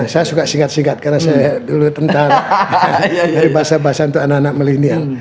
saya suka singkat singkat karena saya dulu tentang dari bahasa bahasa untuk anak anak milenial